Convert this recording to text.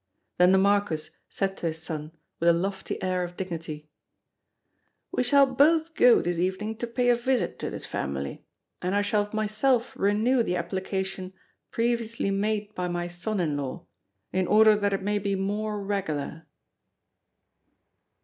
Then the Marquis said to his son with a lofty air of dignity: "We shall both go this evening to pay a visit to this family, and I shall myself renew the application previously made by my son in law in order that it may be more regular."